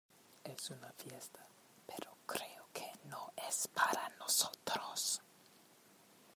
es una fiesta, pero creo que no es para nosotros.